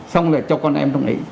xong rồi cho con em trong ấy